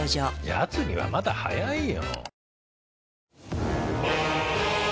やつにはまだ早いよ。